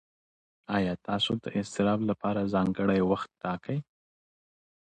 ایا تاسو د اضطراب لپاره ځانګړی وخت ټاکئ؟